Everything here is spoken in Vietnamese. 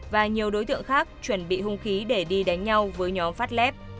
và nhiều đối tượng khác chuẩn bị hung khí để đi đánh nhau với nhóm phát lép